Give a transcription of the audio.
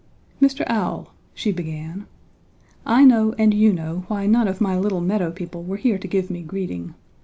"'Mr. Owl,' she began, 'I know and you know why none of my little meadow people were here to give me greeting.